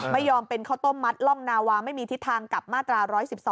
ไม่ยอมเป็นข้าวต้มมัดร่องนาวาไม่มีทิศทางกลับมาตรา๑๑๒